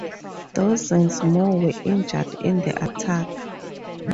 Dozens more were injured in the attack.